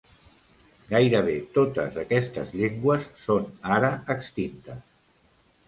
Gairebé totes aquestes llengües són ara extintes.